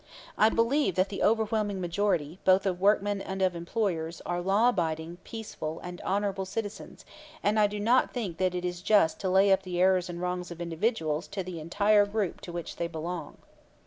I believe that the overwhelming majority, both of workmen and of employers, are law abiding peaceful, and honorable citizens, and I do not think that it is just to lay up the errors and wrongs of individuals to the entire group to which they belong.